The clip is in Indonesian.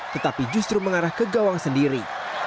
tetapi justru mengarah ke gawang sendiri